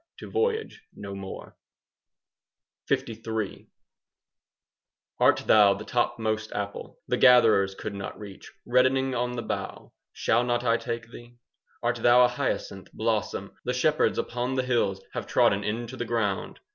to voyage no more. LIII Art thou the top most apple The gatherers could not reach, Reddening on the bough? Shall not I take thee? Art thou a hyacinth blossom 5 The shepherds upon the hills Have trodden into the ground?